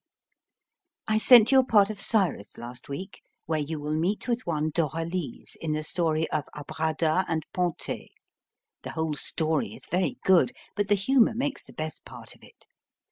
I sent you a part of Cyrus last week, where you will meet with one Doralise in the story of Abradah and Panthée. The whole story is very good; but the humour makes the best part of it.